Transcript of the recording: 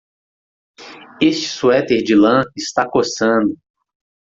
Este suéter de lã está coçando.